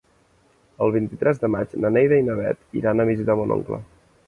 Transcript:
El vint-i-tres de maig na Neida i na Bet iran a visitar mon oncle.